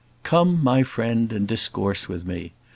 Come, my friend, and discourse with me.